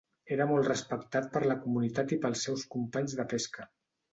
Era molt respectat per la comunitat i pels seus companys de pesca.